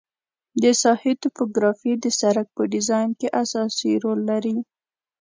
د ساحې توپوګرافي د سرک په ډیزاین کې اساسي رول لري